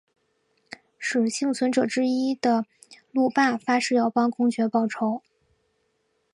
使幸存者之一的路霸发誓要帮公爵报仇。